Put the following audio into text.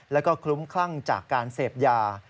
แล้วก็คลุ้มคลั่งจากการเสพยา